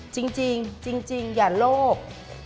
จริงจริงอย่าโลก